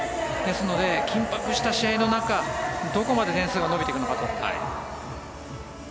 緊迫した試合の中どこまで点数が伸びてくのかと。